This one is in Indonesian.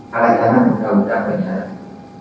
kalai jalan muda muda penyiaran